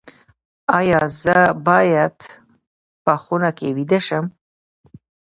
ایا زه باید په خونه کې ویده شم؟